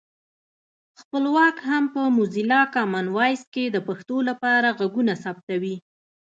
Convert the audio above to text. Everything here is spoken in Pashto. خپلواک هم په موزیلا کامن وایس کې د پښتو لپاره غږونه ثبتوي